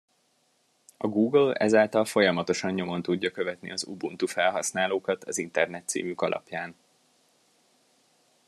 A Google ezáltal folyamatosan nyomon tudja követni az Ubuntu felhasználókat az internetcímük alapján.